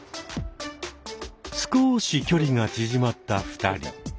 少し距離が縮まった２人。